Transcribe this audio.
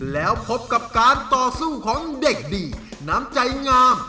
แล้วพบกับการต่อสู้ของเด็กดีน้ำใจงาม